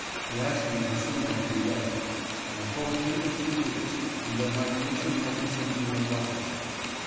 He asked me how soon I could be ready. I told him in two weeks, and that my commission might be sent to me at Rochester.